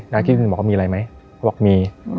นาคิตินบอกมีอะไรไหมเขาบอกมี